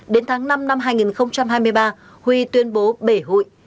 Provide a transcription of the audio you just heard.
đến tháng năm năm hai nghìn hai mươi ba huy tuyên bố bể hụi